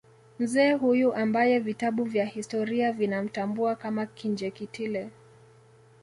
Mzee huyu ambaye vitabu vya historia vinamtambua kama Kinjekitile